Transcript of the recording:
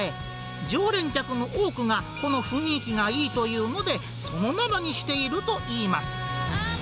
常連客の多くが、この雰囲気がいいというので、そのままにしているといいます。